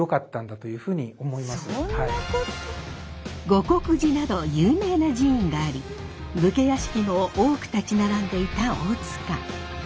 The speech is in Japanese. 護国寺など有名な寺院があり武家屋敷も多く立ち並んでいた大塚。